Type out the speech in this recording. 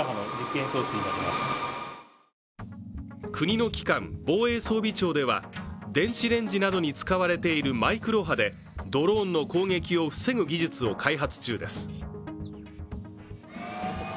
国の機関・防衛装備庁では電子レンジなどに使われているマクロロ波でドローンの攻撃を防ぐ技術を開発中です。